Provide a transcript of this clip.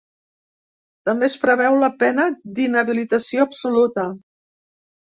També es preveu la pena d’inhabilitació absoluta.